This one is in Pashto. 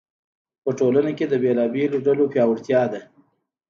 په ټولنه کې د بېلابېلو ډلو پیاوړتیا ده.